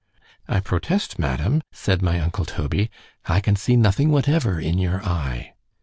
I protest, Madam, said my uncle Toby, I can see nothing whatever in your eye.